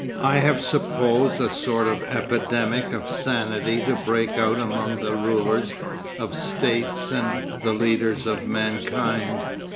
I have supposed a sort of epidemic of sanity to break out among the rulers of states and the leaders of mankind.